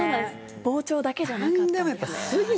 膨張だけじゃなかったんですね。